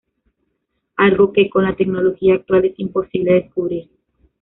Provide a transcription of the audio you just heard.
Algo que, con la tecnología actual, es imposible descubrir.